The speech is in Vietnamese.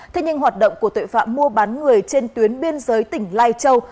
thế nhưng hoạt động của tội phạm mua bán người trên tuyến biên giới tỉnh lai châu